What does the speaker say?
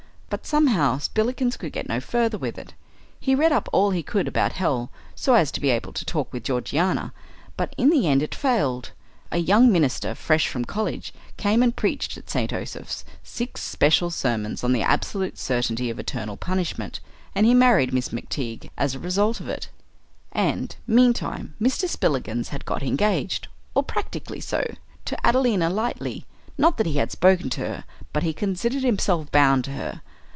But somehow Spillikins could get no further with it. He read up all he could about hell so as to be able to talk with Georgiana, but in the end it failed: a young minister fresh from college came and preached at St. Osoph's six special sermons on the absolute certainty of eternal punishment, and he married Miss McTeague as a result of it. And, meantime, Mr. Spillikins had got engaged, or practically so, to Adelina Lightleigh; not that he had spoken to her, but he considered himself bound to her.